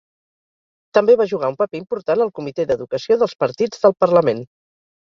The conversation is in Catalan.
També va jugar un paper important al Comité d'Educació dels Partits del Parlament.